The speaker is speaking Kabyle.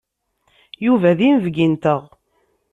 Yuba d inebgi-nteɣ.